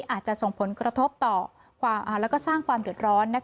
อาจจะส่งผลกระทบต่อสร้างความเดือดร้อน